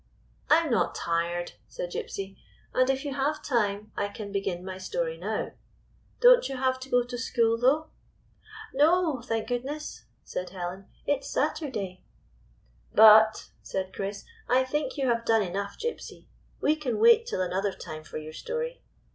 " I 'in not tired," said Gypsy, " and if you have time I can begin my story now. Don't you have to go to school, though ?"" No, thank goodness," said Helen, " it is Saturday." " But," said Chris, " I think you have done enough, Gypsy. We can wait till another time for your story.